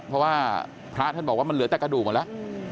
เพราะว่าพระท่านบอกว่ามันเหลือแต่กระดูกหมดแล้ว